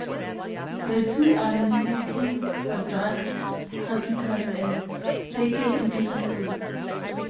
The two are mistaken for drug traffickers and taken into custody.